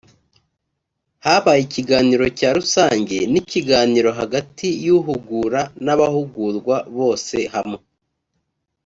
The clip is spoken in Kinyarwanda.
habaye ikiganiro cya rusange ni ikiganiro hagati y uhugura n abahugurwa bose hamwe